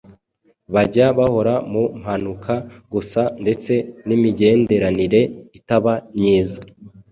bajya bahora mu mpanuka gusa ndetse n’imigenderanire itaba myiza